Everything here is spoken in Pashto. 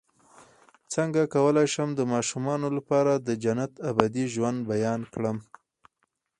څنګه کولی شم د ماشومانو لپاره د جنت د ابدي ژوند بیان کړم